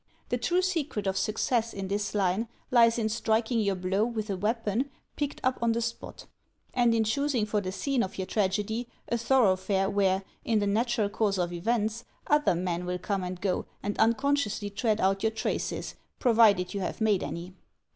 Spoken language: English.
The true secret of success in this line lies in striking your blow with a weapon picked up on the spot, and in choosing for the scene of your tragedy a thoroughfare where, in the natural course of events, other men will come and go and unconsciously tread out your traces, pro THE HANDLING OF THE CRIME 249 vided you have made any.